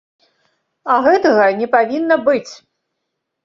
А гэтага не павінна быць!